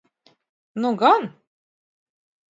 Nu gan!